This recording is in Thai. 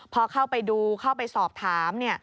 พอเข้าไปดูเข้าไปสอบถาม